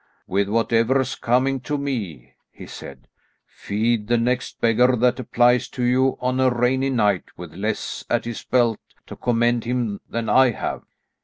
"With whatever's coming to me," he said, "feed the next beggar that applies to you on a rainy night with less at his belt to commend him than I have."